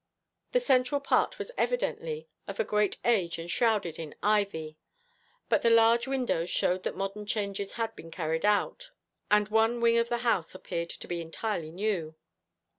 The central part was evidently of a great age and shrouded in ivy, but the large windows showed that modern changes had been carried out, and one wing of the house appeared to be entirely new.